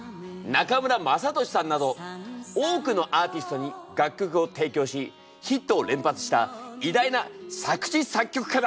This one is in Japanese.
中村雅俊さんなど多くのアーティストに楽曲を提供しヒットを連発した偉大な作詞作曲家だ！